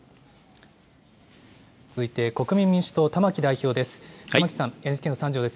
続いて、国民民主党、玉木雄一郎さんです。